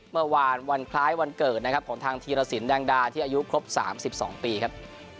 เมื่อวานวันคล้ายวันเกิดนะครับของทางธีรสินแดงดาที่อายุครบ๓๒ปีครับ